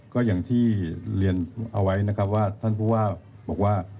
ก็อย่างที่เรียนเอาไว้นะครับว่าท่านผู้ว่าบอกว่า